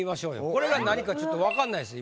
これが何かちょっと分かんないです